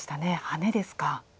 ハネですか。